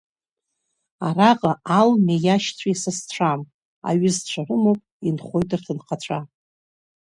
Араҟа Алмеи иашьцәеи сасцәам, аҩызцәа рымоуп, инхоит рҭынхацәа.